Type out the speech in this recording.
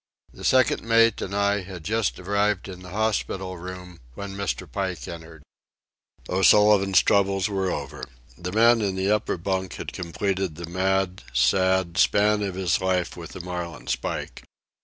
The second mate and I had just arrived in the hospital room, when Mr. Pike entered. O'Sullivan's troubles were over. The man in the upper bunk had completed the mad, sad span of his life with the marlin spike.